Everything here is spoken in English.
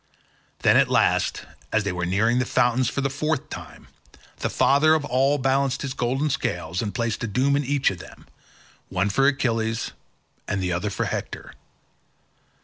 Then, at last, as they were nearing the fountains for the fourth time, the father of all balanced his golden scales and placed a doom in each of them, one for Achilles and the other for Hector.